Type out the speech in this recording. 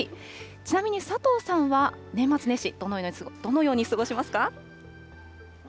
ちなみに佐藤さんは年末年始、どのように過ごしますか？